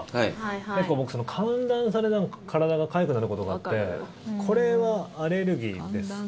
結構、僕、寒暖差で体がかゆくなることがあってこれはアレルギーですか？